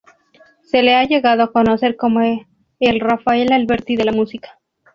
Se le ha llegado a conocer como el Rafael Alberti de la música.